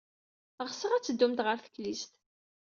Ɣseɣ ad teddumt ɣer teklizt.